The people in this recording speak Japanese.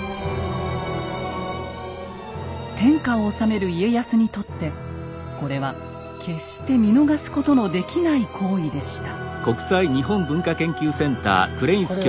天下を治める家康にとってこれは決して見逃すことのできない行為でした。